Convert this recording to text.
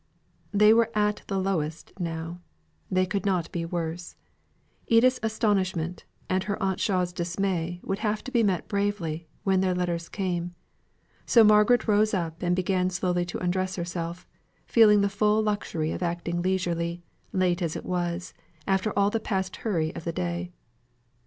They were at the lowest now; they could not be worse. Edith's astonishment and her Aunt Shaw's dismay would have to be met bravely, when their letters came. So Margaret rose up and began slowly to undress herself, feeling the full luxury of acting leisurely, late as it was, after all the past hurry of the day.